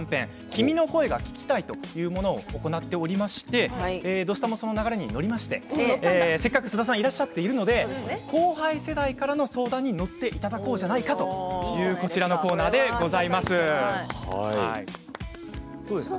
「君の声が聴きたい」というものを行っておりまして「土スタ」もその流れに乗りましてせっかく菅田さんいらっしゃっているので後輩世代の相談に乗っていただこうじゃないかというこちらのコーナーでございます。